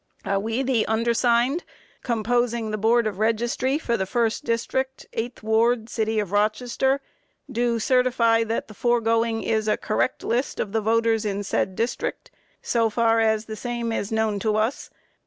A. "We, the undersigned, composing the Board of Registry for the first district, 8th Ward, City of Rochester, do certify that the foregoing is a correct list of the voters in said district, so far as the same is known to us.